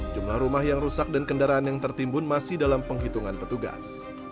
jumlah rumah yang rusak dan kendaraan yang tertimbun masih dalam penghitungan petugas